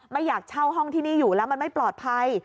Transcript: ไม่อยากเช่าห้องที่นี่อยู่แล้วมันไม่ปลอดภัย